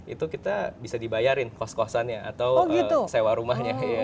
itu kita bisa dibayarin kos kosannya atau sewa rumahnya